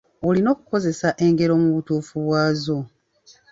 Olina okukozesa engero mu butuufu bwazo.